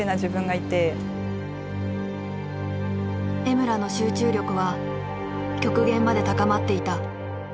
江村の集中力は極限まで高まっていた。